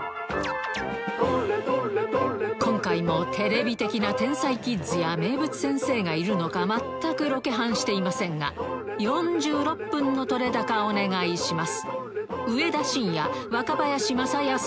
今回もテレビ的な天才キッズや名物先生がいるのか全くロケハンしていませんが４６分の撮れ高お願いします